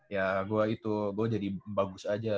ya gue itu gue jadi bagus aja